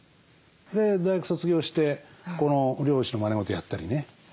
で大学卒業して漁師のまね事やったりね。